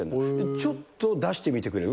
ちょっと、出してみてくれる？